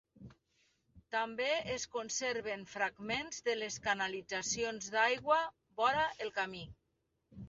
També es conserven fragments de les canalitzacions d'aigua, vora el camí.